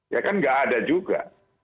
ya kan nggak ada juga